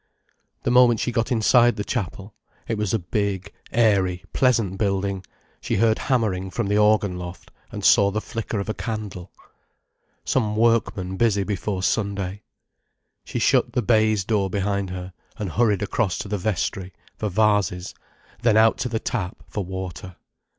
The moment she got inside the Chapel—it was a big, airy, pleasant building—she heard hammering from the organ loft, and saw the flicker of a candle. Some workman busy before Sunday. She shut the baize door behind her, and hurried across to the vestry, for vases, then out to the tap, for water.